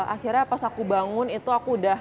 akhirnya pas aku bangun itu aku udah